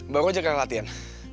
baru aja ke latihan